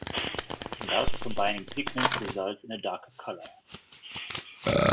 Thus, combining pigments results in a darker color.